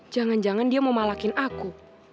jangan jangan dia mau malakin aku